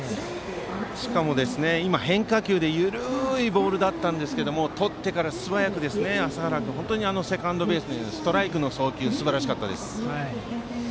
しかも今のは変化球緩いボールだったんですがとってから、素早く麻原君、セカンドベースにストライクの送球すばらしかったです。